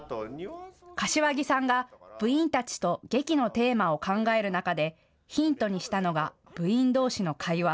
柏木さんが部員たちと劇のテーマを考える中でヒントにしたのが部員どうしの会話。